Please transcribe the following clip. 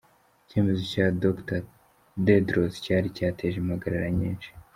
Icyemezo cya Dr Tedros cyari cyateje impagarara nyinshi.